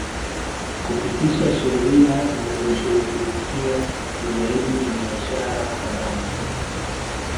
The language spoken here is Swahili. Kupitisha sheria zinazoshughulikia ugaidi na biashara haramu